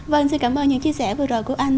vâng xin cảm ơn những chia sẻ vừa rồi của anh